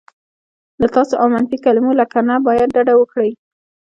له "تاسو" او منفي کلیمو لکه "نه باید" ډډه وکړئ.